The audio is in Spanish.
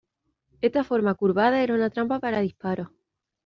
Esta forma curvada era una trampa para disparos.